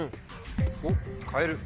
おっ変える？